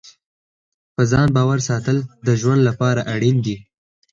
د ځان باور ساتل د ژوند لپاره اړین دي.